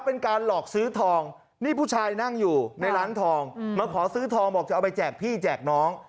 เป็นการหลอกซื้อทองนี่ผู้ชายนั่งอยู่ในร้านทองมาขอซื้อทองบอกจะเอาไปแจกพี่แจกน้อง